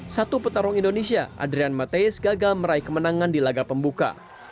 satu petarung indonesia adrian mates gagal meraih kemenangan di laga pembuka